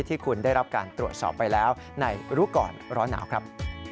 ที่คุณได้รับการตรวจสอบไปแล้วในรู้ก่อนร้อนหนาวครับ